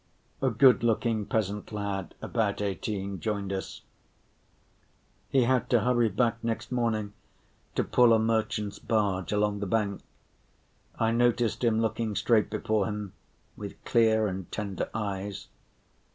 A good‐ looking peasant lad, about eighteen, joined us; he had to hurry back next morning to pull a merchant's barge along the bank. I noticed him looking straight before him with clear and tender eyes.